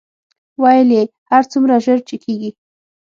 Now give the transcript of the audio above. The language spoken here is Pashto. ویل یې هر څومره ژر چې کېږي.